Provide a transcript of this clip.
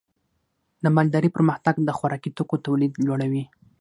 د مالدارۍ پرمختګ د خوراکي توکو تولید لوړوي.